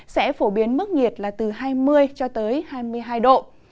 sẽ phổ biến mức nhiệt là từ hai mươi cho tới hai mươi hai độ